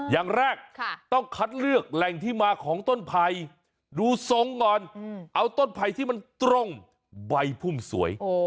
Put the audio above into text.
อย่างแรกต้องคัดเลือกแหล่งที่มาของต้นไผ่ดูทรงก่อนเอาต้นไผ่ที่มันตรงใบพุ่มสวย